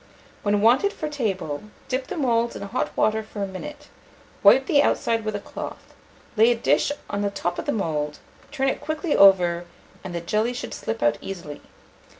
When wanted for table, dip the moulds in hot water for a minute, wipe the outside with a cloth, lay a dish on the top of the mould, turn it quickly over, and the jelly should slip out easily.